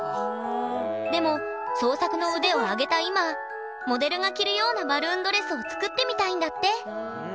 でも創作の腕を上げた今モデルが着るようなバルーンドレスを作ってみたいんだって。